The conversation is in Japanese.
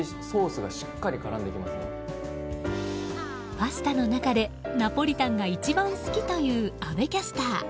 パスタの中でナポリタンが一番好きという阿部キャスター。